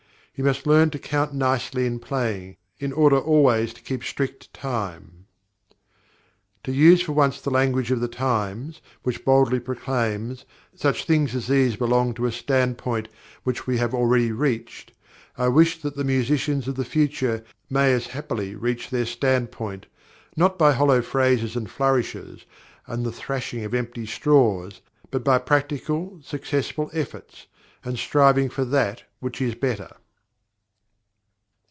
You must learn to count nicely in playing, in order always to keep strict time. To use for once the language of the times, which boldly proclaims, "Such things as these belong to a stand point which we have already reached," I wish that the musicians of "the future" may as happily reach their "stand point," not by hollow phrases and flourishes, and the threshing of empty straws, but by practical, successful efforts, and striving for that which is better.